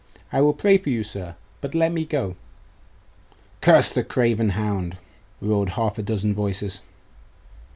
I will pray for you, sir! but let me go!' 'Curse the craven hound!' roared half a dozen voices.